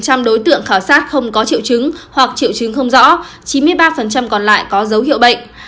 một trăm linh đối tượng khảo sát không có triệu chứng hoặc triệu chứng không rõ chín mươi ba còn lại có dấu hiệu bệnh